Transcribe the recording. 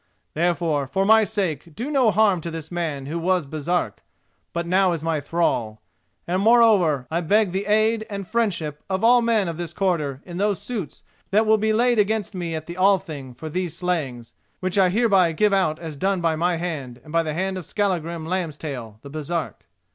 Therefore, for my sake, do no harm to this man who was Baresark, but now is my thrall; and, moreover, I beg the aid and friendship of all men of this quarter in those suits that will be laid against me at the Althing for these slayings, which I hereby give out as done by my hand, and by the hand of Skallagrim Lambstail, the Baresark."